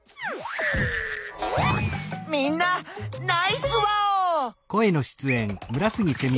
みんなナイスワオ！